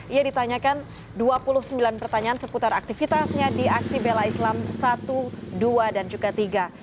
ia ditanyakan dua puluh sembilan pertanyaan seputar aktivitasnya di aksi bela islam satu dua dan juga tiga